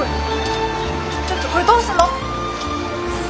ちょっとこれどうすんの！